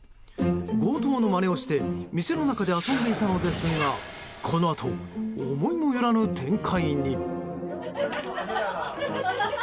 強盗のまねをして店の中で遊んでいたのですがこのあと、思いもよらぬ展開に。